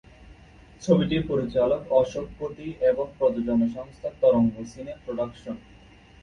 ছবিটির পরিচালক অশোক পতি এবং প্রযোজনা সংস্থা তরঙ্গ সিনে প্রোডাকশন।